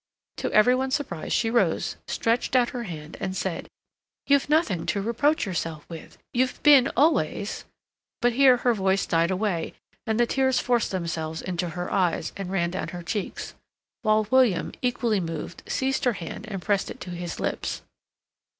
To every one's surprise she rose, stretched out her hand, and said: "You've nothing to reproach yourself with—you've been always—" but here her voice died away, and the tears forced themselves into her eyes, and ran down her cheeks, while William, equally moved, seized her hand and pressed it to his lips.